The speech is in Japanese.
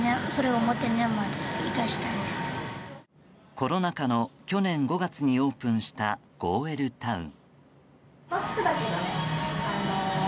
コロナ禍の去年５月にオープンしたゴーウェルタウン。